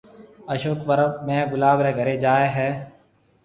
اشوڪ پرٻ ۾ گلاب رَي گھرَي جائيَ ھيََََ